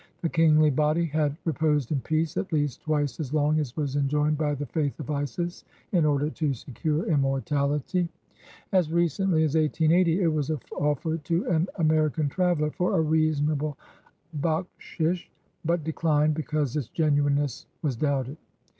The kingly body had "reposed in peace" at least twice as long as was enjoined by the faith of Isis in order to secure inmiortality. As recently as 1880 it was offered to an American traveler "for a reasonable bakhshish," but declined because its genuineness was doubted.